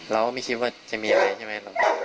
เราก็ไม่คิดว่าจะมีอะไรใช่ไหม